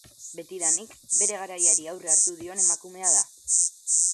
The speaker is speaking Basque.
Betidanik, bere garaiari aurre hartu dion emakumea da.